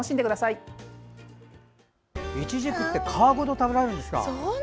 いちじくって皮ごと食べられるんですか。